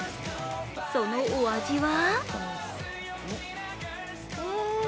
そのお味は？